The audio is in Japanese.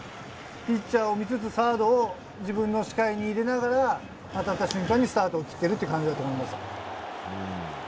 ピッチャーを見つつ、サードを自分の視界に入れながら、当たった瞬間にスタートを切ってるという感じだと思うんです。